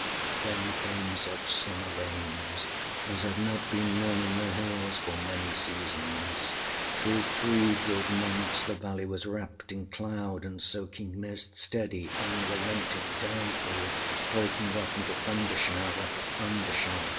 â Then came such summer rains as had not been known in the Hills for many seasons. Through three good months the valley was wrapped in cloud and soaking mist steady, unrelenting downfall, breaking off into thunder shower after thunder shower.